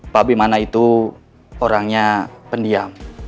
pak abimana itu orangnya pendiam